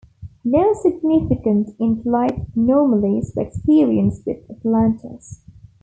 No significant in-flight anomalies were experienced with Atlantis.